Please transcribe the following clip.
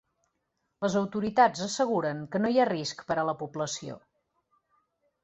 Les autoritats asseguren que no hi ha risc per a la població.